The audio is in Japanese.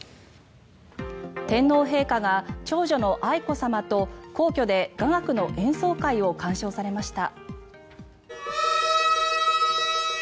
天皇陛下が長女の愛子さまと皇居で雅楽の演奏会を鑑賞されました。